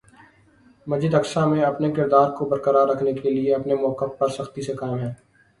مسجد اقصیٰ میں اپنے کردار کو برقرار رکھنے کے لیے اپنے مؤقف پر سختی سے قائم ہے-